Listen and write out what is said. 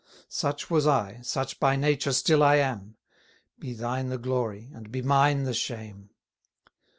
Such was I, such by nature still I am; Be thine the glory, and be mine the shame.